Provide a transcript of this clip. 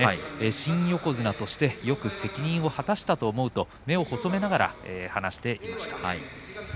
新横綱としてよく責任を果たしたと思うと目を細めながら話していました。